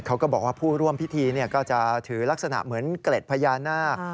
เขาก็บอกว่าผู้ร่วมพิธีก็จะถือลักษณะเหมือนเกล็ดพญานาค